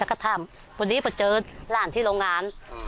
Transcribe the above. แล้วก็ทำวันนี้พอเจอหลานที่โรงงานอืม